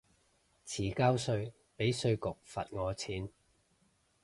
遲交稅被稅局罰我錢